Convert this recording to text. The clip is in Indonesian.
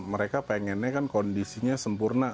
mereka pengennya kan kondisinya sempurna